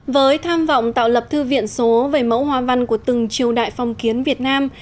với tham vọng tạo lập thư viện số về mẫu hoa văn của từng triều đại phong kiến việt nam